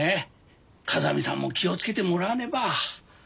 風見さんも気を付けてもらわねば。